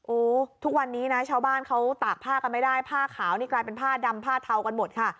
โอ้โหทุกวันนี้นะชาวบ้านเขาตากผ้ากันไม่ได้ผ้าขาวนี่กลายเป็นผ้าดำผ้าเทากันหมดค่ะ